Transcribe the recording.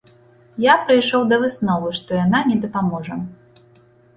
Я прыйшоў да высновы, што яна не дапаможа.